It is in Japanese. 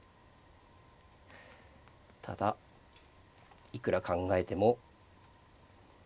ただいくら考えても。